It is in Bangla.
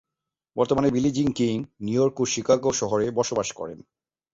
বর্তমানে বিলি জিন কিং নিউইয়র্ক ও শিকাগো শহরে বসবাস করেন।